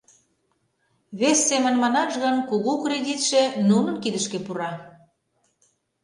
Вес семын манаш гын, кугу кредитше нунын кидышке пура...